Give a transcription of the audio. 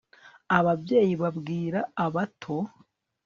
ababyeyi babwira abato